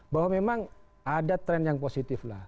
bahwa memang ada tren yang positif lah